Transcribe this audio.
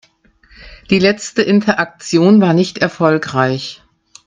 Die letzte Interaktion war nicht erfolgreich.